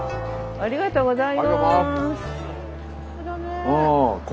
ありがとうございます。